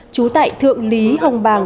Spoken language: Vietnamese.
chú tại thượng lý hồng bàng